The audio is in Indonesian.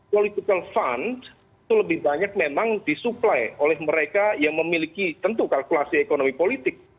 political fund itu lebih banyak memang disuplai oleh mereka yang memiliki tentu kalkulasi ekonomi politik